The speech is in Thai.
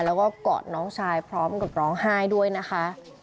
แล้วก็กอดน้องชายพร้อมกับร้องไห้ด้วยนะคะ